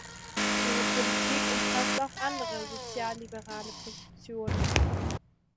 Ihre Politik umfasst auch andere sozialliberale Positionen.